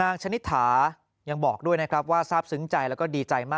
ชนิดถายังบอกด้วยนะครับว่าทราบซึ้งใจแล้วก็ดีใจมาก